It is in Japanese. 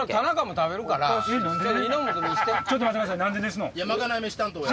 ちょっと待ってください何でですの？